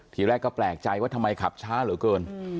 ทีแรกก็แปลกใจว่าทำไมขับช้าเหลือเกิน